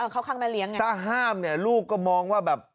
ข้างแม่เลี้ยไงถ้าห้ามเนี่ยลูกก็มองว่าแบบ